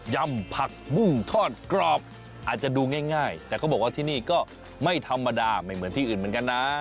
ำผักบุ้งทอดกรอบอาจจะดูง่ายแต่เขาบอกว่าที่นี่ก็ไม่ธรรมดาไม่เหมือนที่อื่นเหมือนกันนะ